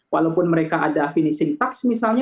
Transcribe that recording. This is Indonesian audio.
walaupun mereka ada finishing touch misalnya